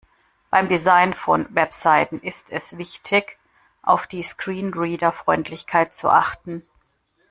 Beim Design von Webseiten ist es wichtig, auf die Screenreader-Freundlichkeit zu achten.